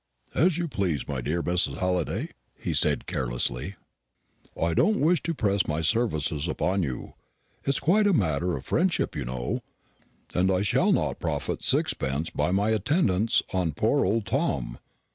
"As you please, my dear Mrs. Halliday," he said carelessly; "I don't wish to press my services upon you. It is quite a matter of friendship, you know, and I shall not profit sixpence by my attendance on poor old Tom.